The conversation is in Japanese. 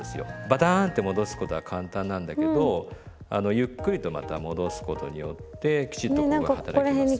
バタンと戻すことは簡単なんだけどゆっくりとまた戻すことによってきちっとここが働きます。